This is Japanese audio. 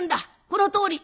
このとおり。